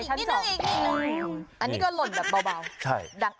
อันนี้ก็หล่นแบบเบา